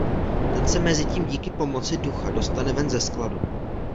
Ten se mezitím díky pomoci „ducha“ dostane ven ze skladu.